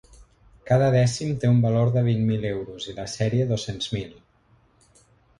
Cada dècim té un valor de vint mil euros i la sèrie dos-cents mil.